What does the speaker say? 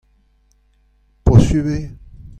Posupl eo ?